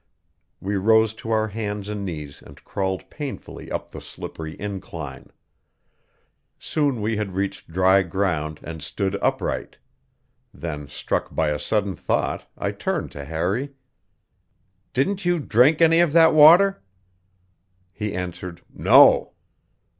We rose to our hands and knees and crawled painfully up the slippery incline. Soon we had reached dry ground and stood upright; then, struck by a sudden thought, I turned to Harry: "Didn't you drink any of that water?" He answered: "No."